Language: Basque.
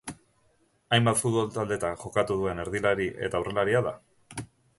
Hainbat futbol taldetan jokatu duen erdilari eta aurrelaria da.